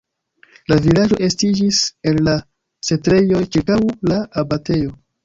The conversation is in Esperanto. La vilaĝo estiĝis el la setlejoj ĉirkaŭ la abatejo.